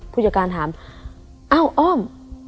ผู้จัดการถามอ้าวอ้อม